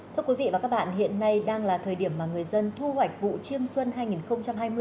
thưa quý vị và các bạn hiện nay đang là thời điểm mà người dân thu hoạch vụ chiêm xuân hai nghìn hai mươi